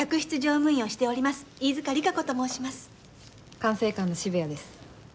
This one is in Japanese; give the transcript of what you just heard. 管制官の渋谷です。